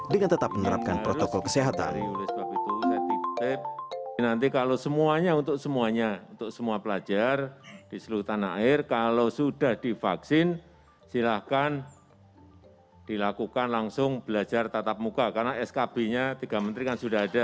dengan tetap menerapkan protokol kesehatan